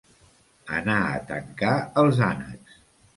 Anar a tancar els ànecs.